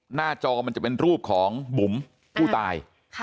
หน้าจอมันจะเป็นรูปของบุ๋มผู้ตาย